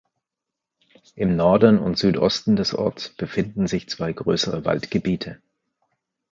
Im Norden und Südosten des Orts befinden sich zwei größere Waldgebiete.